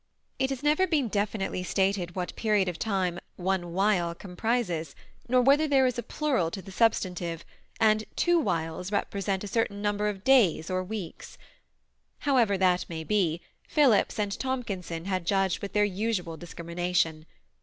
It has never been definitely stated what period of time " one while " comprises, nor whether there is a plural to the substantive, and that " two whiles " represent a certain number of days or weeks. However that may be, Phillips and Tomkin son had judged with their usual discrimination.